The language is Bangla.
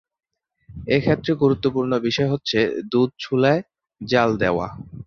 এক্ষেত্রে গুরুত্বপূর্ণ বিষয় হচ্ছে দুধ চুলায় জ্বাল দেওয়া।